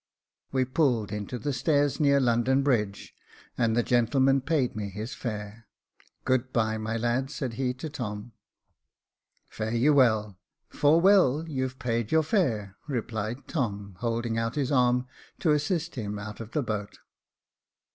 We pulled into the stairs near London Bridge, and the gentleman paid me his fare. " Good bye, my lad," said he to Tom. Jacob Faithful 345 "■ Fare you well, for well you've paid your fare," replied Tom, holding out his arm to assist him out of the boat.